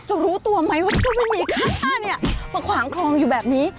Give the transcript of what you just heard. จะรู้ตัวไหมว่าชุมมีค่ามาขวางคลองอยู่แบบนี้